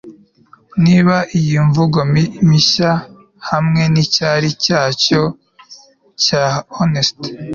niba iyi mivugo mishya - hamwe n 'icyari cyayo cya hornets e